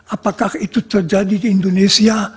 apakah itu terjadi di indonesia